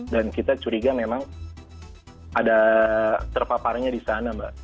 dan kita curiga memang ada terpaparnya di sana mbak